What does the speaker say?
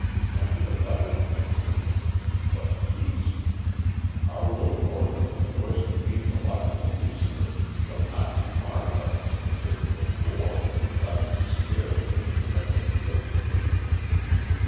And the eleventh generation but peace! Our little work on the joys of genealogical research shall not be marred by the statistical bore who tries to scare with his wretched arithmetic!